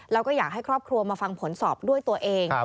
แล้วก็อยากให้ครอบครัวมาฟังผลสอบด้วยตัวเอง